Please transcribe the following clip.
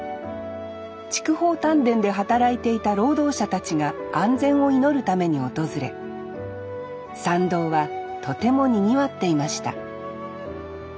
筑豊炭田で働いていた労働者たちが安全を祈るために訪れ参道はとてもにぎわっていました